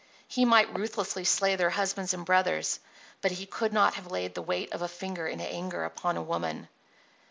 He might ruthlessly slay their husbands and brothers, but he could not have laid the weight of a finger in anger upon a woman.